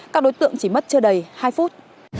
các đối tượng chỉ mất chưa đầy hai phút